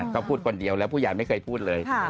เขาพูดคนเดียวแล้วผู้ใหญ่ไม่เคยพูดเลย